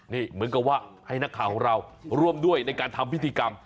นี่เหมือนกับว่าให้นักข่าวของเราร่วมด้วยในการทำพิธีกรรม